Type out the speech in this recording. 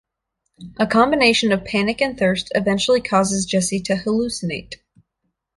A combination of panic and thirst eventually causes Jessie to hallucinate.